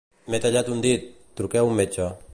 M'he tallat un dit; truqueu un metge.